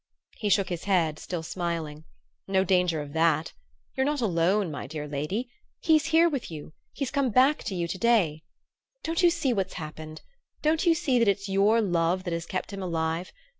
He shook his head, still smiling. "No danger of that! You're not alone, my dear lady. He's here with you he's come back to you to day. Don't you see what's happened? Don't you see that it's your love that has kept him alive?